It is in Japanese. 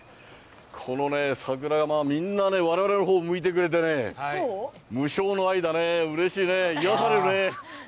このね、桜がみんなね、われわれのほう向いてくれてね、無償の愛だね、うれしいね、癒やされるね。